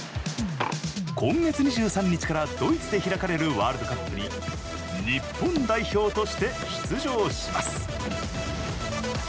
今月２３日からドイツで開かれるワールドカップに日本代表として出場します。